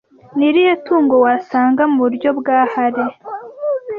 Ni irihe tungo wasanga muburyo bwa Hare